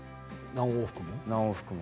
何往復も？